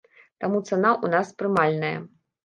Таму цана ў нас прымальная.